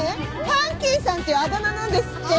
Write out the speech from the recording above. ファンキーさんっていうあだ名なんですって。